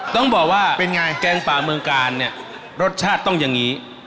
ต้องบอกว่าเป็นไงแกงป่าเมืองกาลเนี่ยรสชาติต้องอย่างนี้